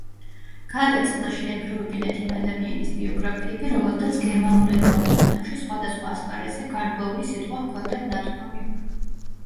გადაწყდა, შეეგროვებინათ იმ ადამიანების ბიოგრაფიები, რომელთაც გერმანულენოვან ქვეყნებში სხვადასხვა ასპარეზზე გარკვეული სიტყვა ჰქონდათ ნათქვამი.